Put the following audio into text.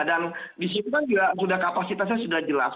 dan di situ kan juga sudah kapasitasnya sudah jelas